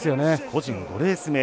個人５レース目。